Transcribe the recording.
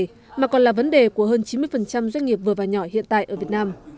nhưng cũng là vấn đề của hơn chín mươi doanh nghiệp vừa và nhỏ hiện tại ở việt nam